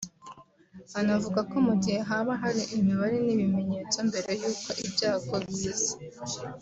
Anavuga ko mu gihe haba hari imibare n’ibimenyetso mbere y’uko ibyago biza